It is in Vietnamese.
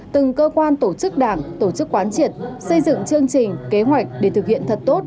từng cơ quan tổ chức đảng tổ chức quán triệt xây dựng chương trình kế hoạch để thực hiện thật tốt